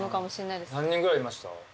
何人ぐらいいました？